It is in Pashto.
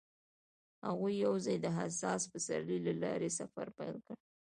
هغوی یوځای د حساس پسرلی له لارې سفر پیل کړ.